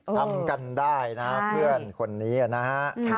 ทำกันได้นะเพื่อนคนนี้นะฮะ